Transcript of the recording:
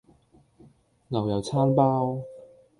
牛油餐包